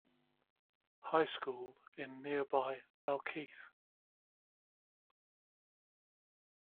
High School in nearby Dalkeith.